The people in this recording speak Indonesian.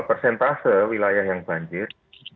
persentase wilayah yang bandir